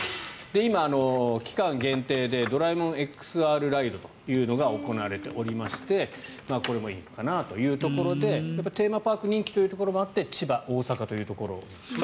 今、期間限定で「ドラえもんＸＲライド」というのが行われておりましてこれもいいのかなというところでテーマパーク人気ということもあって千葉、大阪というところ。